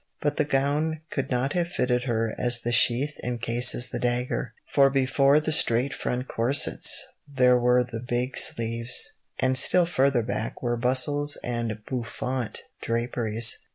But the gown could not have fitted her as the sheath encases the dagger, for before the straight front corsets there were the big sleeves, and still further back were bustles and bouffant draperies.